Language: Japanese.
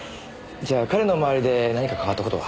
じゃあ彼の周りで何か変わった事は？